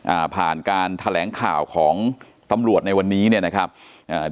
อ่าผ่านการแถลงข่าวของตำรวจในวันนี้เนี่ยนะครับอ่า